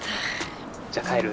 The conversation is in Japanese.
じゃあ帰る？